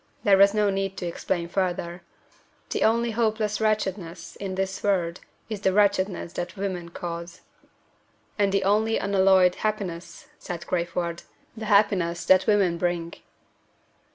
There was no need to explain further. The only hopeless wretchedness in this world is the wretchedness that women cause." "And the only unalloyed happiness," said Crayford, "the happiness that women bring."